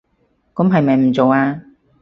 噉係咪唔做吖